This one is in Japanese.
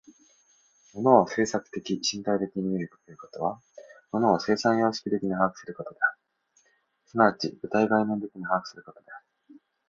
物を制作的身体的に見るということは、物を生産様式的に把握することである、即ち具体概念的に把握することである。